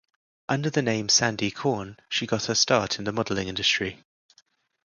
Under the name Sandi Korn, she got her start in the modeling industry.